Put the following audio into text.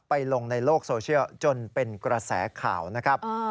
ลงในโลกโซเชียลจนเป็นกระแสข่าวนะครับ